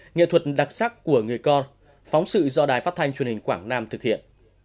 nghệ thuật đặc sắc của người con phóng sự do đài phát thanh truyền hình quảng nam thực hiện